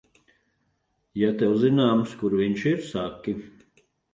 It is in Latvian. Ja tev zināms, kur viņš ir, saki.